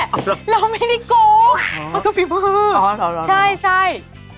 แม่เราไม่ได้โกงมันก็เป็นผู้ใช่